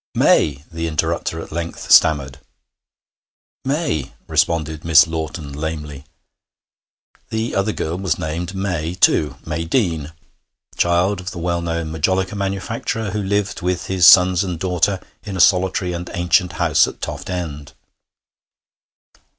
'May!' the interrupter at length stammered. 'May!' responded Miss Lawton lamely. The other girl was named May too May Deane, child of the well known majolica manufacturer, who lived with his sons and daughter in a solitary and ancient house at Toft End.